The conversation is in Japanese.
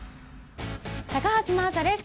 高橋真麻です。